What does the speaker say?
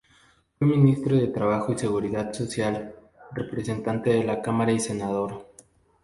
Fue ministro de Trabajo y Seguridad Social, representante a la Cámara, y senador.